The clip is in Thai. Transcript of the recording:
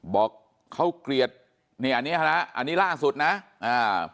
บอกเขาเกลียดเนี่ยอันเนี้ยฮะอันนี้ล่าสุดนะอ่า